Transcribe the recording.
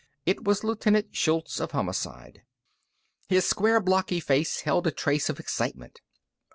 It was Lieutenant Shultz, of Homicide. His square, blocky face held a trace of excitement.